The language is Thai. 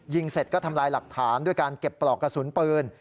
เสร็จก็ทำลายหลักฐานด้วยการเก็บปลอกกระสุนปืน